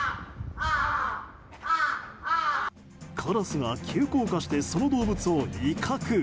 カラスが急降下してその動物を威嚇。